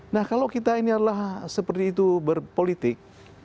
nah kalau kita ini adalah seperti itu berpolitik